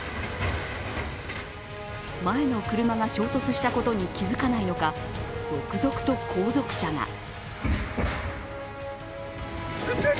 前の車が衝突したことに気づかないのか、続々と後続車が。